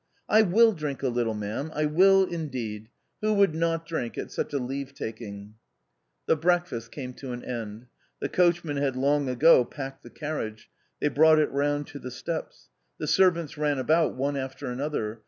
" I will drink a little, ma'am, I will indeed ; who would not drink at such a leave taking !" The breakfast came to an end. The coachman had long ago packed the carriage. They brought it round to the steps. The seivants ran about one after another.